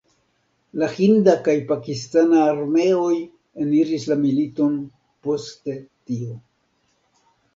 La hinda kaj pakistana armeoj eniris la militon poste tio.